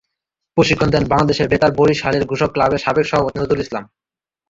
প্রশিক্ষণ দেন বাংলাদেশ বেতার বরিশালের ঘোষক ক্লাবের সাবেক সভাপতি নজরুল ইসলাম।